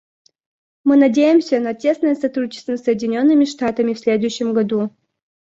Мы надеемся на тесное сотрудничество с Соединенными Штатами в следующем году.